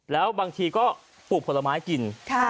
แล้วบางทีก็ปลูกผลไม้กิน